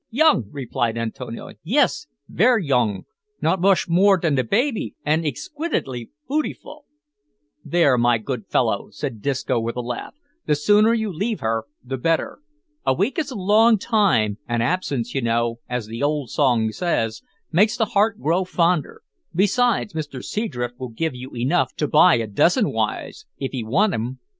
"Yonge!" replied Antonio; "yis, ver' yonge; not mush more dan baby, an' exiquitely bootiful." "Then, my good feller," said Disco, with a laugh, "the sooner you leave her the better. A week is a long time, an' absence, you know, as the old song says, makes the heart grow fonder; besides, Mr Seadrift will give you enough to buy a dozen wives, if 'ee want 'em."